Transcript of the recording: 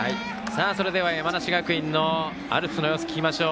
それでは山梨学院のアルプスの様子、聞きましょう。